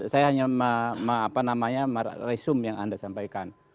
saya hanya meresume yang anda sampaikan